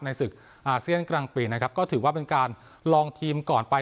ศึกอาเซียนกลางปีนะครับก็ถือว่าเป็นการลองทีมก่อนไป